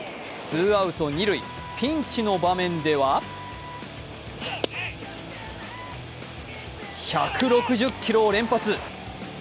２アウト二塁ピンチの場面では１６０キロを連発。